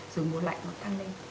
dù mùa lạnh nó tăng lên